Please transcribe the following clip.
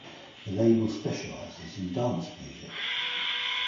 The label specialises in dance music.